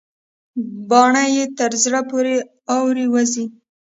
باڼه يې تر زړه پورې اورې وزي.